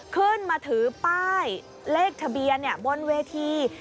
ขึ้นมาถือป้ายเลขทะเบียนบนเวที